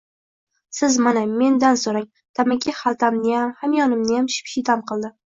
Siz, mana, mendan soʻrang! Tamaki xaltamniyam, hamyonimniyam ship-shiydam qildi!